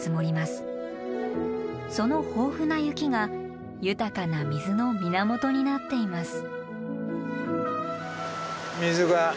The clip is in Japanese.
その豊富な雪が豊かな水の源になっています。